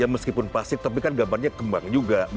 meskipun plastik tapi gambarnya kembang juga